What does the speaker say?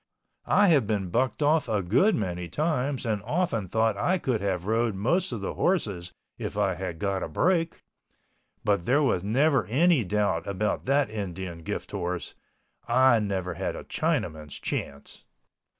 I have been bucked off a good many times and often thought I could have rode most of the horses if I had got a break, but there never was any doubt about that Indian gift horse—I never had a Chinaman's chance.